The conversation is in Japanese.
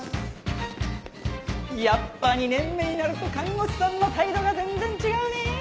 やっぱ２年目になると看護師さんの態度が全然違うね！